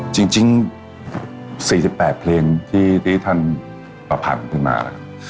จริง๔๘เพลงที่ท่านประพันธ์ขึ้นมา